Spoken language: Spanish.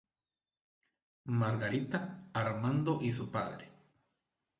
Margarita, Armando y su padre